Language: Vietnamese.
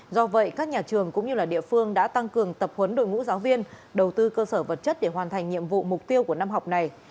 do vậy các nhà trường cũng như địa phương đã tăng cường tập huấn đội ngũ giáo viên đầu tư cơ sở vật chất để hoàn thành nhiệm vụ mục tiêu của năm học này